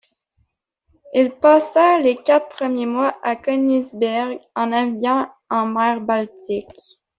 Il passa les quatre premiers mois à Königsberg, en naviguant en mer Baltique.